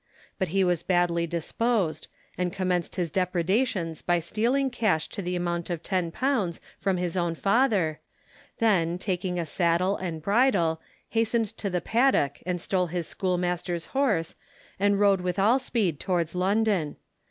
But he was badly disposed, and commenced his depredations by stealing cash to the amount of £10 from his own father, then, taking a saddle and bridle, hastened to the paddock and stole his schoolmaster's horse, and rode with all speed towards London.